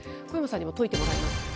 小山さんにも解いてもらいます。